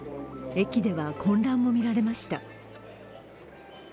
駅では混乱も見られました。